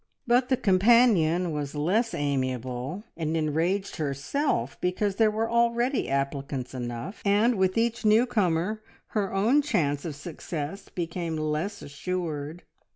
But the companion was less amiable, and enraged herself because there were already applicants enough, and with each new comer her own chance of success became less assured.